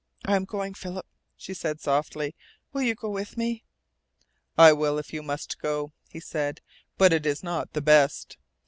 "I am going, Philip," she said softly. "Will you go with me?" "I will, if you must go," he said. "But it is not best."